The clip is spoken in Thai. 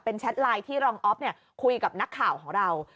แชทไลน์ที่รองอ๊อฟคุยกับนักข่าวของเรา